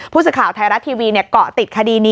ผู้สื่อข่าวไทยรัฐทีวีเกาะติดคดีนี้